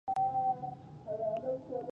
د ګلاب زوى راسره خداى پاماني وکړه او ولاړ.